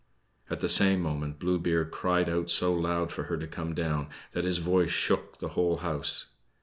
At the same moment Blue Beard cried out so loud for her to come down, that his voice shook the whole house.